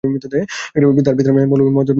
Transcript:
তার পিতার নাম মৌলভী মোহাম্মদ ওসমান উল্লাহ।